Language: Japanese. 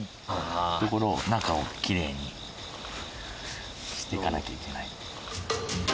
中をきれいにしていかなきゃいけない。